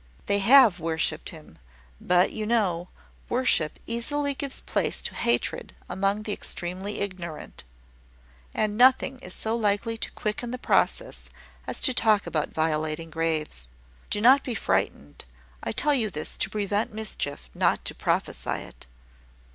"They have worshipped him; but you know, worship easily gives place to hatred among the extremely ignorant; and nothing is so likely to quicken the process as to talk about violating graves. Do not be frightened; I tell you this to prevent mischief, not to prophesy it.